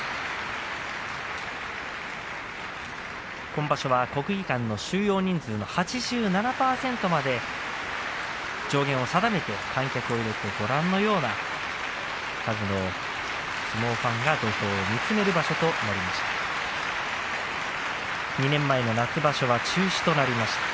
今場所は国技館の収容人数の８７％まで上限を定めて観客を入れてご覧のような数の相撲ファンが土俵を見つめる場所となりました。